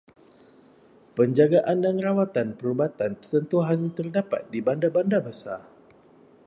Penjagaan dan rawatan perubatan tertentu hanya terdapat di bandar-bandar besar.